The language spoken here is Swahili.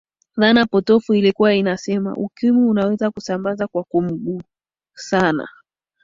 dhana potofu ilikuwa inasema ukimwi unaweza kusambaa kwa kumgusana